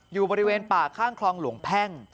อยู่บริเวณป่าข้างคลองหลวงแพ่ง